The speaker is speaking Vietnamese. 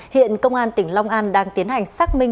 hiện công an tỉnh long an đang tiến hành xác minh